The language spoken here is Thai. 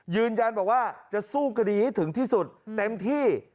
ยืนยันว่าจะสู้กระดีฮีถึงที่สุดเต็มที่